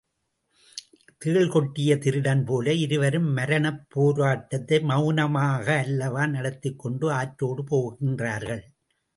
தேள் கொட்டிய திருடன் போல, இருவரும் மரணப் போராட்டத்தை மெளனமாக அல்லவா நடத்திக்கொண்டு ஆற்றோடு போகின்றார்கள்!